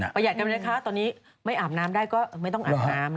หัดกันนะคะตอนนี้ไม่อาบน้ำได้ก็ไม่ต้องอาบน้ำ